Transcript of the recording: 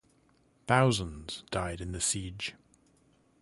Thousands died in the siege.